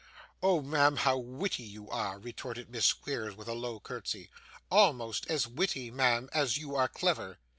'Oh, ma'am, how witty you are,' retorted Miss Squeers with a low curtsy, 'almost as witty, ma'am, as you are clever.